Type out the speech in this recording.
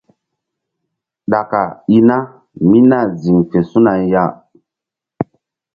Ɗaka i na mí nah ziŋ fe su̧na ya.